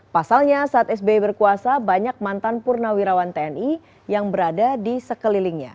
pasalnya saat sby berkuasa banyak mantan purnawirawan tni yang berada di sekelilingnya